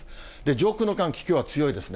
上空の寒気、きょうは強いですね。